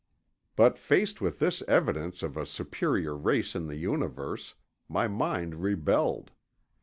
But faced with this evidence of a superior race in the universe, my mind rebelled.